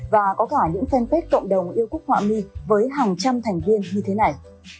và có cả những fanpage cộng đồng yêu cúc họa mi với hàng trăm thành viên như thế này